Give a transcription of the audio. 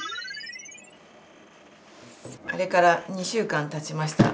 あれから２週間たちました。